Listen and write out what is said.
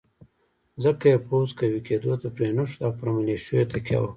ځکه یې پوځ قوي کېدو ته پرېنښود او پر ملېشو یې تکیه وکړه.